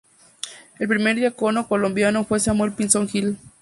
El primer diácono colombiano fue Samuel Pinzón Gil.